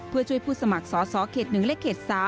เพื่อช่วยผู้สมัครสอสอเขต๑และเขต๓